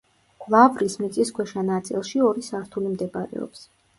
ლავრის მიწისქვეშა ნაწილში ორი სართული მდებარეობს.